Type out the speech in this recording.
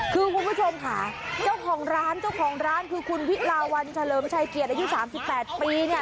คือคุณผู้ชมค่ะเจ้าของร้านคือคุณวิราวัลเฉลิมชายเกียรติอายุ๓๘ปีเนี่ย